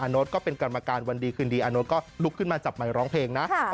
โน๊ตก็เป็นกรรมการวันดีคืนดีอาโน๊ตก็ลุกขึ้นมาจับไมค์ร้องเพลงนะ